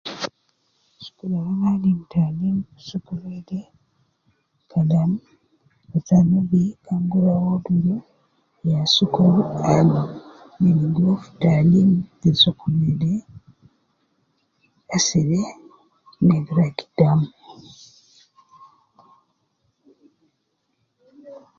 Sokol al ana alim taalim fi sokolede kalam rutan Nubi kan gi rua woduru ya sokol al ne ligo fi taalim te sokolede, asede ne gi rua gidam